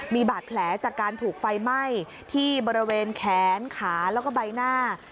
มีบาดแผลจากการถูกไฟไหม้ที่บริเวณแขนขาแล้วก็ใบหน้า